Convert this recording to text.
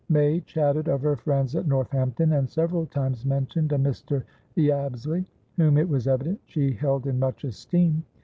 May chatted of her friends at Northampton, and several times mentioned a Mr. Yabsley, whom it was evident she held in much esteem.